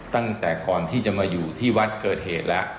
ตั้งแต่ก่อนที่จะมาอยู่ที่วัดเกิดเหตุแล้ว